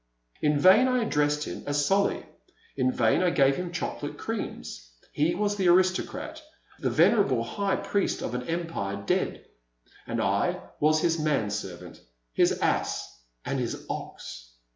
In vain I addressed him as Solly, in vain I gave him chocolate creams, — he was the aristocrat, the venerable high priest of 86 The Silent Land. an Empire dead — and I was his man servant, his ass, and his ox.